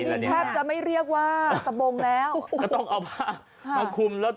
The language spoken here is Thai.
แทบจะไม่เรียกว่าสบงแล้วก็ต้องเอาภาพมาคุม